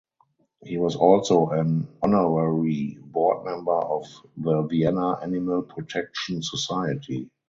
He was also an honorary board member of the Vienna Animal Protection Society.